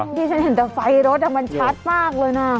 อันนี้ฉันเห็นแต่ไฟรถแต่มันชัดมากเลยนะ